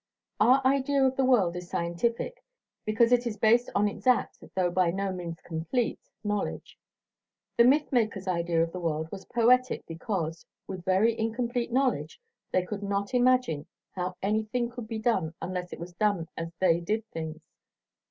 Our idea of the world is scientific because it is based on exact though by no means complete knowledge; the myth makers' idea of the world was poetic because, with very incomplete knowledge, they could not imagine how anything could be done unless it was done as they did things.